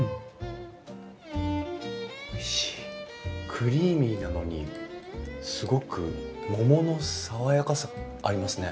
クリーミーなのにすごく桃の爽やかさがありますね。